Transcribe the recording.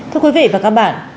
thưa quý vị và các bạn